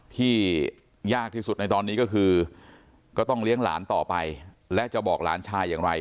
ที่ยากที่สุดในตอนนี้ก็คือก็ต้องเลี้ยงหลานต่อไปและจะบอกหลานชายอย่างไร